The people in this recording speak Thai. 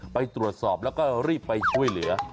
ไปตรวจสอบแล้วก็รีบไปช่วยเหลือ